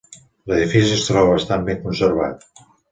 L'edifici es troba bastant ben conservat.